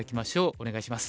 お願いします。